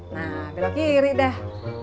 nah belakiri dah